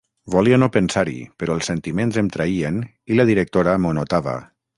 Volia no pensar-hi però els sentiments em traïen i la directora m'ho notava.